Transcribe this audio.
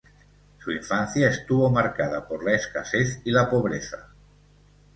Su infancia estuvo marcada por la escasez y la pobreza.